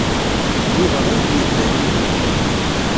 D Yuba ay d-yebdan imenɣi.